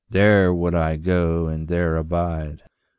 There would I go and there abide."